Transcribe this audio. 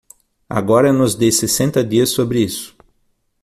Agora nos dê sessenta dias sobre isso.